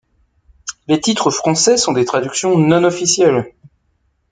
Les titres français sont des traductions non officielles.